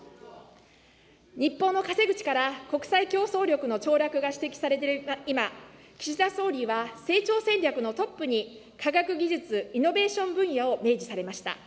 日本の稼ぐ力、国際競争力の凋落が指摘されている今、岸田総理は、成長戦略のトップに、科学技術・イノベーション分野を明示されました。